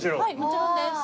もちろんです。